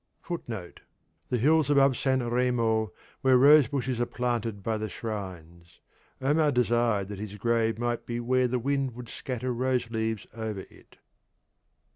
(1) The hills above San Remo, where rose bushes are planted by the shrines. Omar desired that his grave might be where the wind would scatter rose leaves over it.